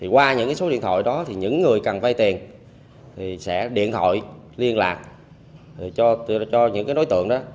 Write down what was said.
qua những số điện thoại đó thì những người cần vay tiền sẽ điện thoại liên lạc cho những đối tượng đó